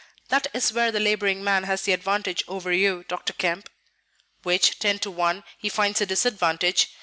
"That is where the laboring man has the advantage over you, Dr. Kemp." "Which, ten to one, he finds a disadvantage.